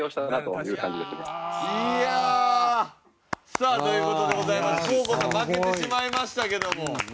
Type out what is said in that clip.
いやあ！さあという事でございまして黄皓さん負けてしまいましたけども。